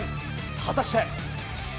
果たして。